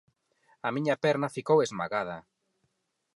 A miña perna ficou esmagada.